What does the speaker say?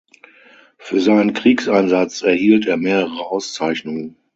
Für seinen Kriegseinsatz erhielt er mehrere Auszeichnungen.